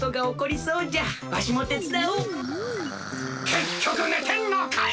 けっきょくねてんのかい！